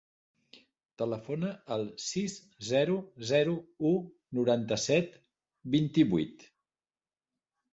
Telefona al sis, zero, zero, u, noranta-set, vint-i-vuit.